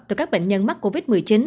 từ các bệnh nhân mắc covid một mươi chín